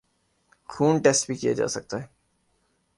خون ٹیسٹ بھی کیا جاسکتا ہے